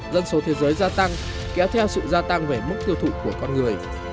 dân số thế giới gia tăng kéo theo sự gia tăng về mức tiêu thụ của con người